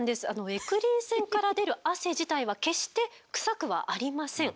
エクリン腺から出る汗自体は決して臭くはありません。